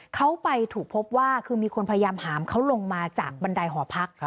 เขาไปถูกพบว่าคือมีคนพยายามหามเขาลงมาจากบันไดหอพัก